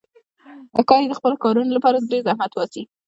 ښکاري د خپلو ښکارونو لپاره ډېر زحمت باسي.